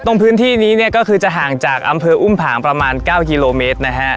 พื้นที่นี้เนี่ยก็คือจะห่างจากอำเภออุ้มผางประมาณ๙กิโลเมตรนะฮะ